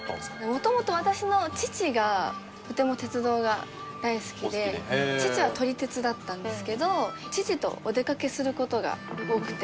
元々私の父がとても鉄道が大好きで父は撮り鉄だったんですけど父とお出かけする事が多くて。